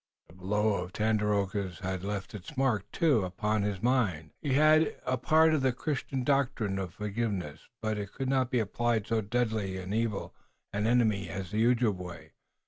The blow of Tandakora had left its mark, too, upon his mind. He had imbibed a part of the Christian doctrine of forgiveness, but it could not apply to so deadly and evil an enemy as the Ojibway.